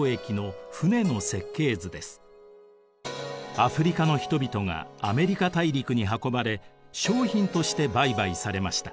アフリカの人々がアメリカ大陸に運ばれ商品として売買されました。